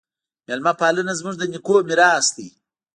میلمه پالنه زموږ د نیکونو میراث دی.